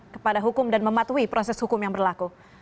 kepada hukum dan mematuhi proses hukum yang berlaku